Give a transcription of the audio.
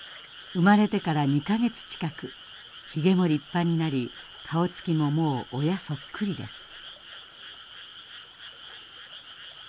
生まれてから２か月近くひげも立派になり顔つきももう親そっくりです。